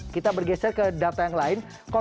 kita bergeser ke data yang lain